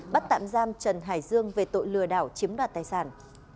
bắt tạm giam trần hải dương về tội lừa đảo chiếm đoạt tài sản